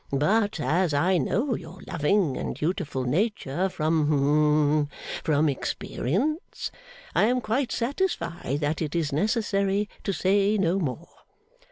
But, as I know your loving and dutiful nature from hum from experience, I am quite satisfied that it is necessary to say no more.